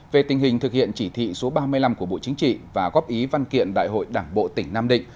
về tình hình thực hiện chỉ thị số ba mươi năm của bộ chính trị và góp ý văn kiện đại hội đảng bộ tỉnh nam định